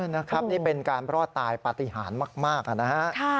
นี่เป็นการรอดตายปฏิหารมากครับนะฮะ